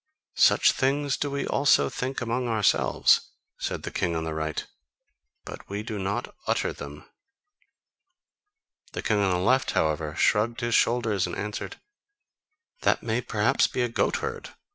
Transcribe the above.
"Such things do we also think among ourselves," said the king on the right, "but we do not utter them." The king on the left, however, shrugged his shoulders and answered: "That may perhaps be a goat herd.